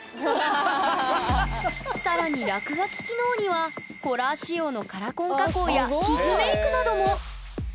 更に落書き機能にはホラー仕様のカラコン加工や傷メイクなども！